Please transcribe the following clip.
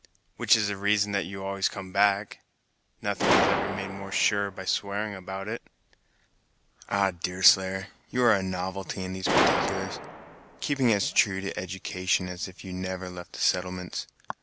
"Which is the reason that you always come back? Nothing is ever made more sure by swearing about it." "Ah, Deerslayer, you are a novelty in these particulars; keeping as true to education as if you had never left the settlements.